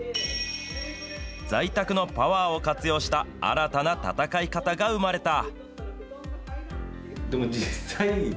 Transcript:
在宅のパワーを活用した新たな戦い方が生まれた。